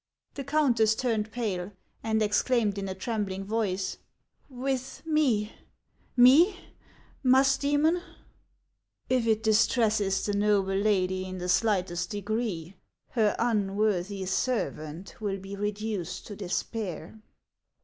The countess turned pale, and exclaimed in a trembling voice, " With me, — me, Musdoemon ?"" If it distresses the noble lady in the slightest degree, her unworthy servant will be reduced to despair."